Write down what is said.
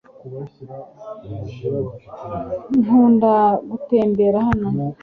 nkunda gutembera hano